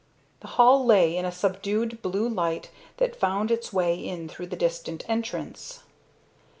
The hall lay in a subdued blue light that found its way in through the distant entrance.